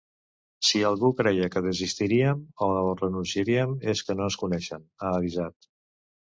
Si algú creia que desistiríem o renunciaríem és que no ens coneixen, ha avisat.